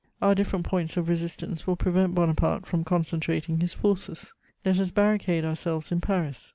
Our different points of resistance will prevent Bonaparte from concentrating his forces. Let us barricade ourselves in Paris.